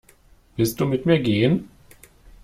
Willst du mit mir gehen?